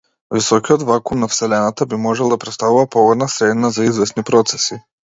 Високиот вакуум на вселената би можел да претставува погодна средина за извесни процеси.